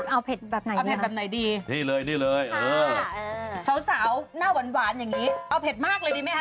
เอาเผ็ดแบบไหนเอาเผ็ดแบบไหนดีนี่เลยนี่เลยเออสาวสาวหน้าหวานอย่างนี้เอาเผ็ดมากเลยดีไหมคะ